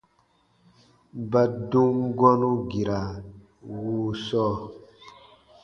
Ba dum gɔ̃nu gira wuu sɔɔ.